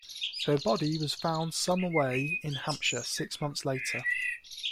Her body was found some away in Hampshire six months later.